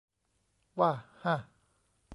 ว่ะฮ่ะ